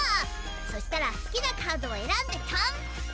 そしたらすきなカードをえらんでトン！